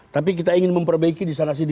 tapi kita ingin memperbaiki di sana sini